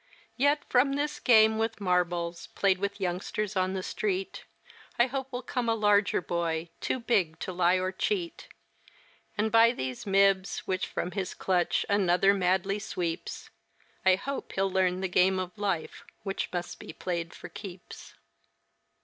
Yet from this game with marbles, played with youngsters on the street, I hope will come a larger boy, too big to lie or cheat, And by these mibs which from his clutch another madly sweeps, I hope he'll learn the game of life which must be played for keeps.